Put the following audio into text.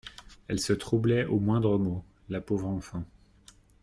Elle se troublait au moindre mot, la pauvre enfant.